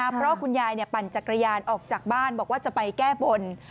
เพราะคุณยายปั่นจักรยานออกจากบ้านบอกว่าจะไปแก้บน